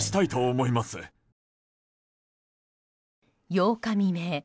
８日未明